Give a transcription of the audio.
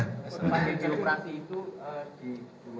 pernah dioperasi itu di dua lututnya atau